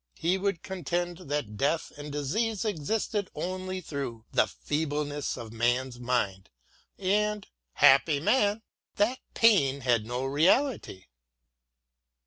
He would contend that death and disease existed only through the feebleness of man's mind and — happy man !— that pain had no reality."